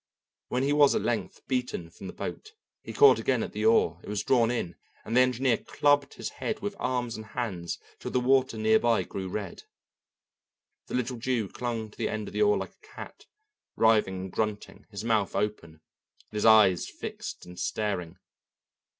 When he was at length beaten from the boat he caught again at the oar; it was drawn in, and the engineer clubbed his head and arms and hands till the water near by grew red. The little Jew clung to the end of the oar like a cat, writhing and grunting, his mouth open, and his eyes fixed and staring.